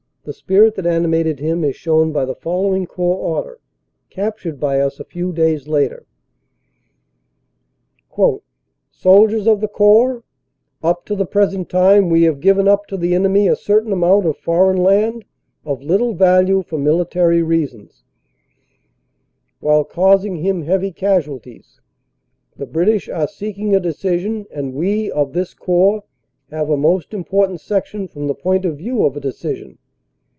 The spirit that animated him is shown by the following Corps Order captured by us a few days later : "Soldiers of the Corps : Up to the present time we have given up to the enemy a certain amount of foreign land of little value for military reasons, while causing him heavy casualties. The British are seeking a decision and we, of this Corps, have a most important section from the point of view of 252 CANADA S HUNDRED DAYS a decision.